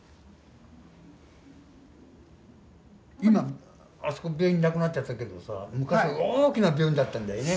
今あそこ病院なくなっちゃったけどさ昔大きな病院だったんだよね。